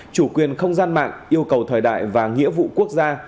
chủ quyền không gian mạng yêu cầu thời đại và nghĩa vụ quốc gia